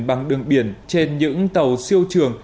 bằng đường biển trên những tàu siêu trường